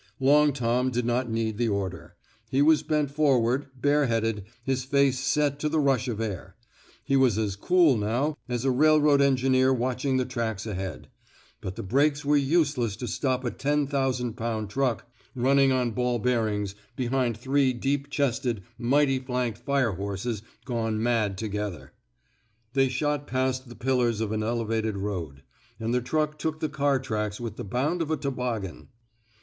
'* ''Long Tom ^' did not need the order. He was bent forward, bareheaded, his face set to the rush of air. He was as cool, now, as a railroad engineer watching the tracks ahead; but the brakes were useless to stop a ten thousand pound truck running on ball 139 THE SMOKE. EATERS bearings beliiiid three deep chested, mighty flanked fire horses gone mad together. They shot past the pillars of an elevated road; and the truck took the car tracks with the bound of a toboggan.